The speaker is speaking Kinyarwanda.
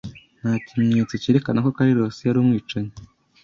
Nta kimenyetso cyerekana ko Kariros yari umwicanyi.